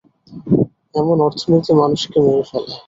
এমন অর্থনীতি মানুষকে মেরে ফেলে।